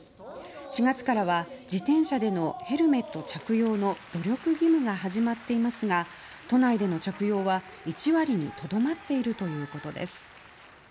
４月からは自転車でのヘルメット着用の努力義務が始まっていますが都内での着用は１割にとどまっているということです。